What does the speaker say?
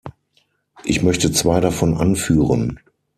Ich möchte zwei davon anführen.